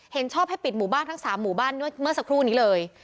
เห็นชอบให้ปิดหมู่บ้านทั้ง๓หมู่บ้านเมื่อสักครู่นี้เลย